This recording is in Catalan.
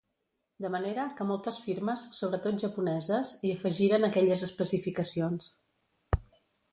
De manera que moltes firmes, sobretot japoneses, hi afegiren aquelles especificacions.